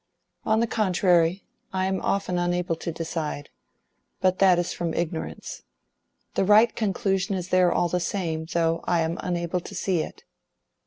"On the contrary, I am often unable to decide. But that is from ignorance. The right conclusion is there all the same, though I am unable to see it."